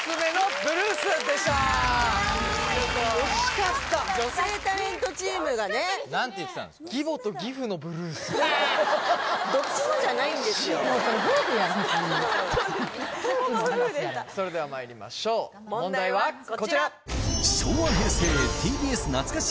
夫婦でしたそれではまいりましょう問題はこちら